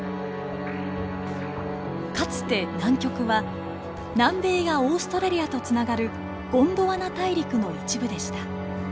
かつて南極は南米やオーストラリアとつながるゴンドワナ大陸の一部でした。